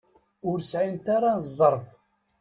Ur sɛint ara zzerb.